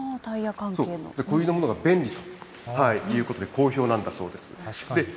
こういったものが便利ということで、好評なんだそうです。